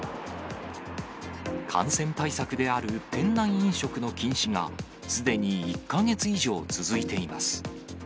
感染対策である店内飲食の禁止が、すでに１か月以上続いています。